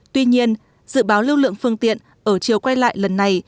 tuy nhiên dự báo lưu lượng phương tiện ở chiều quay lại lần này